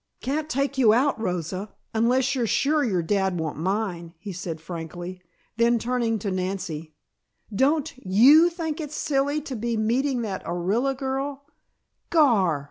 "Can't take you out, Rosa, unless you're sure your dad won't mind," he said frankly. Then turning to Nancy, "Don't you think it's silly to be meeting that Orilla girl " "Gar!"